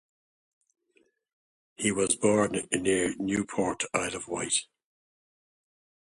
He was born near Newport, Isle of Wight.